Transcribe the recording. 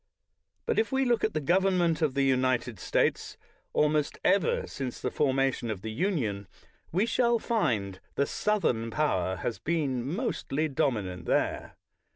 But, if we look at the government of the United States almost ever since the formation of the Union, we shall find the Southern power has been mostly dominant there.